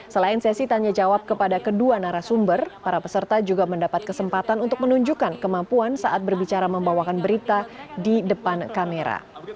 selain sesi tanya jawab kepada kedua narasumber para peserta juga mendapat kesempatan untuk menunjukkan kemampuan saat berbicara membawakan berita di depan kamera